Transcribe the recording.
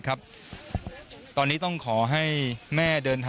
และมีความหวาดกลัวออกมา